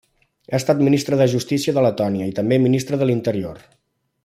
Ha estat Ministre de Justícia de Letònia i també Ministre de l'Interior.